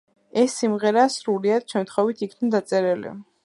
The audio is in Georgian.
ეს სიმღერა სრულიად შემთხვევით იქნა დაწერილი.